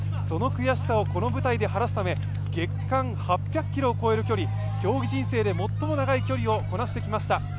その悔しさをこの舞台で晴らすため、月間８００ｋｍを超える距離、競技人生で最も長い距離をこなしてきました。